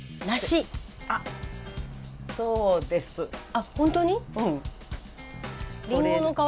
あっ本当に？